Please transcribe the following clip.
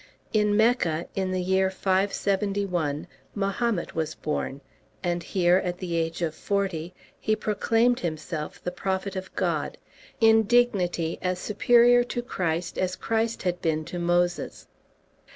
In Mecca, in the year 571, Mahomet was born, and here, at the age of forty, he proclaimed himself the prophet of God, in dignity as superior to Christ as Christ had been to Moses.